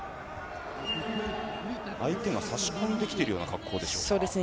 相手が差し込んできているような格好でしょうか。